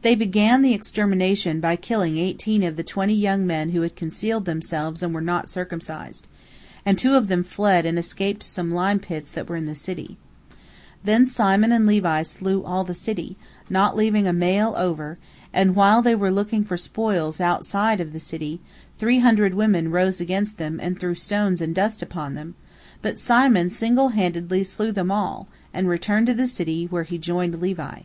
They began the extermination by killing eighteen of the twenty young men who had concealed themselves and were not circumcised, and two of them fled and escaped to some lime pits that were in the city. Then Simon and Levi slew all the city, not leaving a male over, and while they were looking for spoils outside of the city, three hundred women rose against them and threw stones and dust upon them, but Simon single handed slew them all, and returned to the city, where he joined Levi.